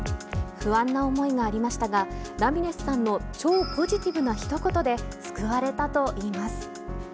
不安な思いがありましたが、ラミレスさんの超ポジティブなひと言で救われたといいます。